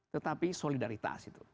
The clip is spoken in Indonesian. tetapi solidaritas itu